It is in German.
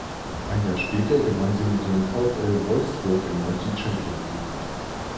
Ein Jahr später gewann sie mit dem VfL Wolfsburg erneut die Champions League.